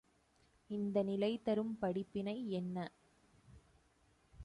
இந்த நிலை தரும் படிப்பினை என்ன?